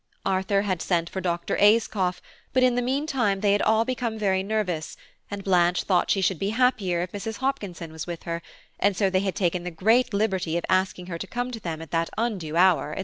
Arthur had sent for Dr. Ayscough, but in the mean time they had all become very nervous, and Blanche thought she should be happier if Mrs. Hopkinson was with her, and so they had taken the great liberty of asking her to come to them at that undue hour, &c.